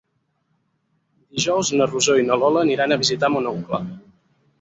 Dijous na Rosó i na Lola aniran a visitar mon oncle.